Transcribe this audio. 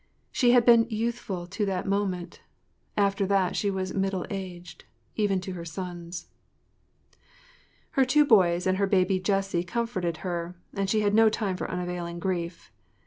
She had been youthful to that moment; after that she was middle aged—even to her sons. Her two boys and her baby Jessie comforted her and she had no time for unavailing grief.